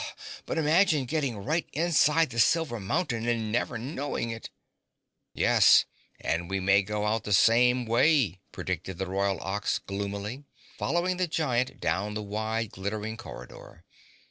But imagine getting right inside the Silver Mountain and never knowing it!" "Yes, and we may go out the same way," predicted the Royal Ox gloomily, following the Giant down the wide glittering corridor.